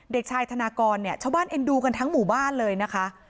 เด็กชายธนากรเนี่ยชาวบ้านเอ็นดูกันทั้งหมู่บ้านเลยนะคะ